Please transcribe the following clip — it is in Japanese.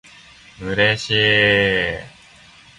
嬉しい